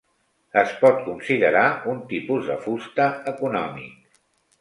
Es pot considerar un tipus de fusta econòmic.